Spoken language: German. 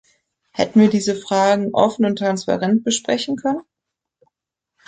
Hätten wir diese Fragen offen und transparent besprechen können?